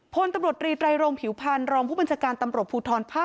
พลตำรวจรีไตรโรงผิวพันธ์รองผู้บัญชาการตำรวจภูทรภาค๗